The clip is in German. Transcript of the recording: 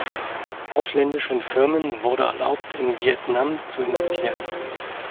Ausländischen Firmen wurde erlaubt, in Vietnam zu investieren.